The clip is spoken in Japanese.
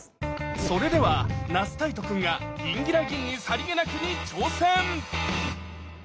それでは那須泰斗くんが「ギンギラギンにさりげなく」に挑戦！